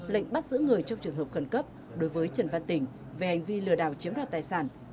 lệnh bắt giữ người trong trường hợp khẩn cấp đối với trần văn tỉnh về hành vi lừa đảo chiếm đoạt tài sản